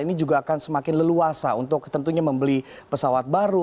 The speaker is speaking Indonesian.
ini juga akan semakin leluasa untuk tentunya membeli pesawat baru